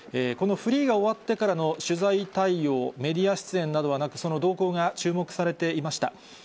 このフリーが終わってからの取材対応、メディア出演などはなく、その動向が注目されていました。